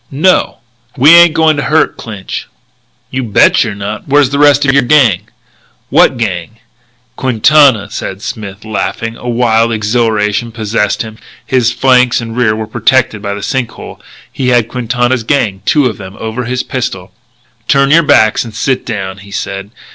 "No." "We ain't going to hurt Clinch." "You bet you're not. Where's the rest of your gang?" "What gang?" "Quintana's," said Smith, laughing. A wild exhilaration possessed him. His flanks and rear were protected by the sink hole. He had Quintana's gang two of them over his pistol. "Turn your backs and sit down," he said.